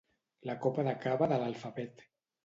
La copa de cava de l'alfabet.